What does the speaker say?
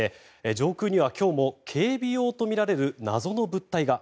上空には今日も警備用とみられる謎の物体が。